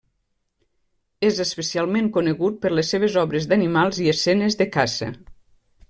És especialment conegut per les seves obres d'animals i escenes de caça.